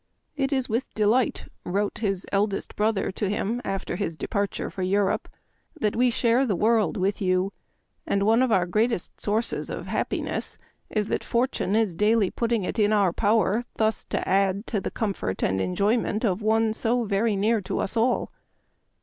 " It is with delight," wrote his eldest brother to him after his departure for Europe, " that we share the world with you ; and one of our greatest sources of happiness is that fortune is daily putting it in our power thus to add to the comfort and enjoyment of one so very near to us all."